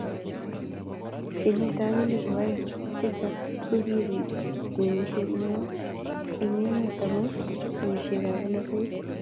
Kenyitab elbut aeng' ak tisab kokibiit ngemisiet ne o eng emet amu tuyosiekab bolatet